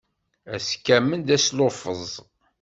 Ass kamel d asluffeẓ.